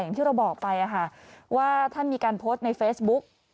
อย่างที่เราบอกไปว่าท่านมีการโพสต์ในเฟซบุ๊ก